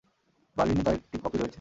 বার্লিনে তার একটি কপি রয়েছে।